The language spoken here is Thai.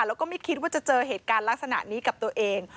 แล้วก็ไม่คิดว่าจะเจอเหตุการณ์ลักษณะนี้กับตัวเอง